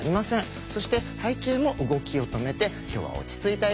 そして背景も動きを止めて今日は落ち着いた色になっております。